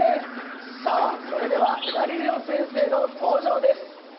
さあそれではガリレオ先生の登場です！